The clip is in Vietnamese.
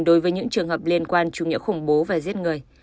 đối với những trường hợp liên quan chủ nghĩa khủng bố và giết người